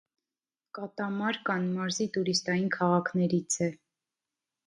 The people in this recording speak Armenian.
Կատամարկան մարզի տուրիստային քաղաքներից է։